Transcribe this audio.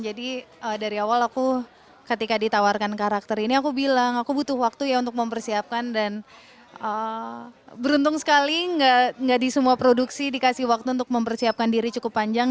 jadi dari awal aku ketika ditawarkan karakter ini aku bilang aku butuh waktu ya untuk mempersiapkan dan beruntung sekali gak di semua produksi dikasih waktu untuk mempersiapkan diri cukup panjang